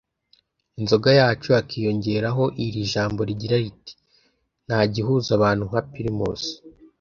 Inzoga yacu' hakiyongeraho iri jambo rigira riti 'Nta gihuza abantu nka Primus'